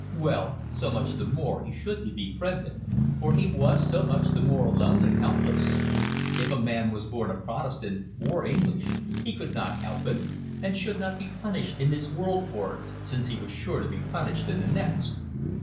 Well, so much the more he should be befriended, for he was so much the more alone and helpless. If a man was born a Protestant or English he could not help it, and should not be punished in this world for it, since he was sure to be punished in the next.